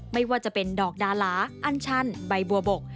ไม่ว่าจะเป็นดอกดาราอันชันใบบัวบก